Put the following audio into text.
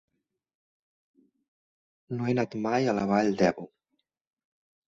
No he anat mai a la Vall d'Ebo.